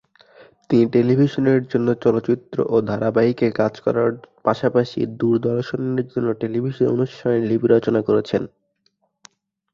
তিনি টেলিভিশনের জন্য চলচ্চিত্র ও ধারাবাহিকে কাজ করার পাশাপাশি দূরদর্শনের জন্য টেলিভিশন অনুষ্ঠানের লিপি রচনা করেছেন।